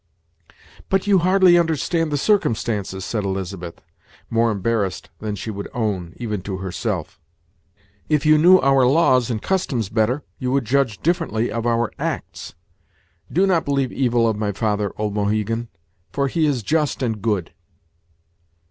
"But you hardly understand the circumstances," said Elizabeth, more embarrassed than she would own, even to herself. "If you knew our laws and customs better, you would Judge differently of our acts. Do not believe evil of my father, old Mohegan, for he is just and good."